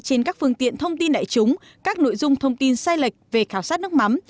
trên các phương tiện thông tin đại chúng các nội dung thông tin sai lệch về khảo sát nước mắm